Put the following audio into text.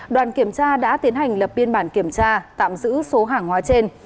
đoàn kiểm tra đã tiến hành lập biên bản kiểm tra tạm giữ số hàng hóa trên